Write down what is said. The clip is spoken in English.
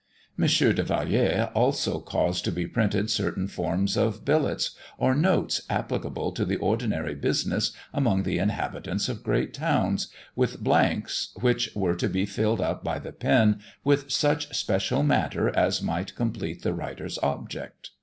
M. de Velayer also caused to be printed certain forms of billets, or notes applicable to the ordinary business among the inhabitants of great towns, with blanks, which were to be filled up by the pen with such special matter as might complete the writer's object.